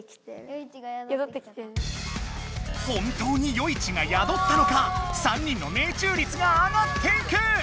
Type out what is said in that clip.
本当に与一が宿ったのか３人の命中率が上がっていく！